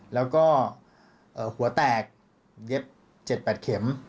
แล้วก็หัวแตกเย็บ๗๘เข็ม